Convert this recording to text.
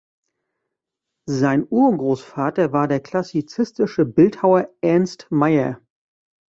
Sein Urgroßvater war der klassizistische Bildhauer Ernst Mayer.